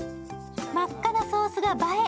真っ赤なソースが映え。